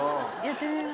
やってみ。